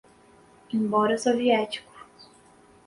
embora soviético